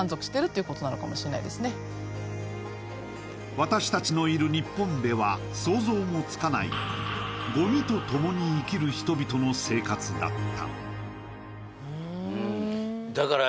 私たちのいる日本では想像もつかない、ごみと共に生きる人たちの生活だった。